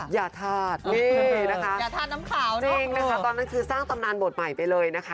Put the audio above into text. อย่าถาดนี่นะคะ